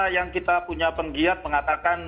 yang kita punya penggiat mengatakan